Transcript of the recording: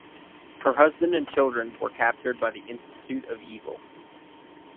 Her husband and children were captured by the Institute of Evil.